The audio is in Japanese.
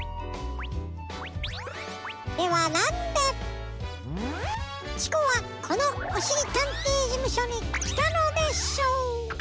ではなんでチコはこのおしりたんていじむしょにきたのでしょう？